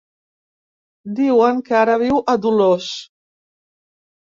Diuen que ara viu a Dolors.